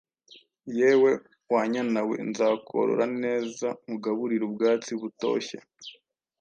Yewe wa nyana we, nzakorora neza, nkugaburire ubwatsi butoshye,